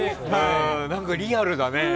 何かリアルだね。